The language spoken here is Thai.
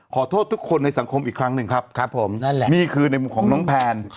ขอโทษทุกคนในสังคมอีกครั้งหนึ่งครับนี่คือในมุมของน้องแพน